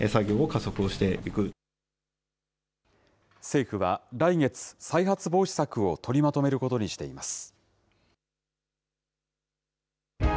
政府は、来月、再発防止策を取りまとめることにしています。